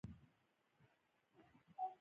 ته ولي پر ماڼي یې ؟